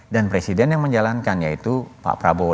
dan presiden yang menjalankan yaitu pak prabowo